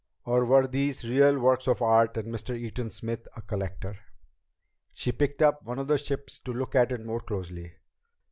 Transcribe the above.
Or were these real works of art and Mr. Eaton Smith a collector? She picked up one of the ships to look at it more closely.